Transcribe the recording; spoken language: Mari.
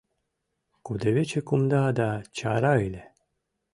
Кудывече кумда да чара ыле.